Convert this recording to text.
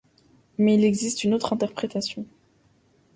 Mais il existe une autre interprétation.